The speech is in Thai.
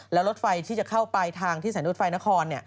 แล้วรถไฟที่จะเข้าไปทางที่สถานีรถไฟนคร